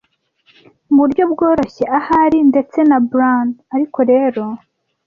Muburyo bworoshye, ahari ndetse na bland (ariko rero